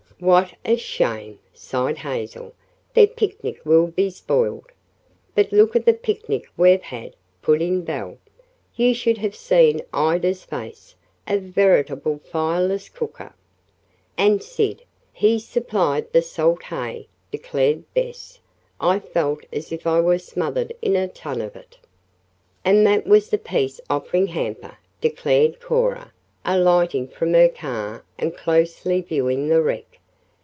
"What a shame!" sighed Hazel. "Their picnic will be spoiled." "But look at the picnic we've had," put in Belle. "You should have seen Ida's face. A veritable fireless cooker." "And Sid he supplied the salt hay," declared Bess. "I felt as if I were smothered in a ton of it." "And that was the peace offering hamper," declared Cora, alighting from her car and closely viewing the wreck.